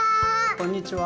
こんにちは。